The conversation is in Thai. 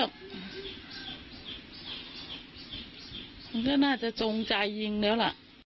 มันก็น่าจะจงใจยิงแล้วล่ะ